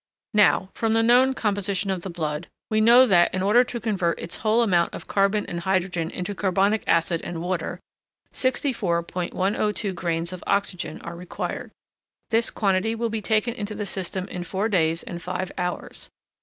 Now, from the known composition of the blood, we know that in order to convert its whole amount of carbon and hydrogen into carbonic acid and water, 64.102 grains of oxygen are required. This quantity will be taken into the system in four days and five hours.